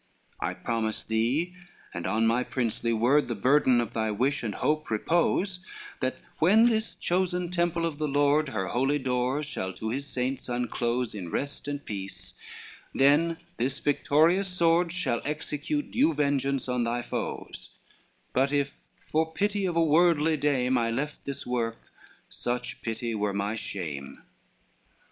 LXIX "I promise thee, and on my princely word The burden of thy wish and hope repose, That when this chosen temple of the Lord, Her holy doors shall to his saints unclose In rest and peace; then this victorious sword Shall execute due vengeance on thy foes; But if for pity of a worldly dame I left this work, such pity were my shame."